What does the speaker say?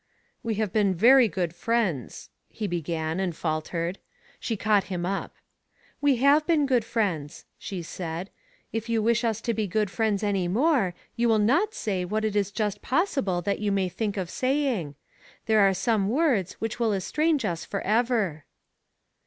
" We have been very good friends," he began, and faltered. She caught him up. " We have been good friends," she said. If Digitized by Google 22 THE FATE OF FEN ELLA. you wish us to be good friends any more you will not say what it is just possible that you may think of saying. There are some words which will es trange us for ever."